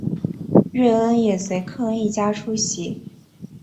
瑞恩也随科恩一家出席。